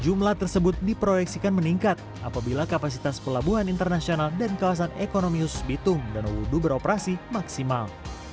jumlah tersebut diproyeksikan meningkat apabila kapasitas pelabuhan internasional dan kawasan ekonomius bitung dan udu beroperasi maksimal